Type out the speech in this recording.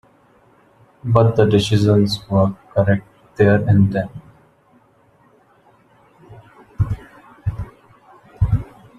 But the decisions were correct-there and then.